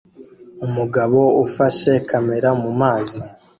Umugabo ufashe kamera mumazi